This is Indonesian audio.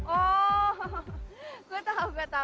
oh enak ya